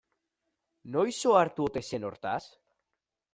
Noiz ohartu ote zen hortaz?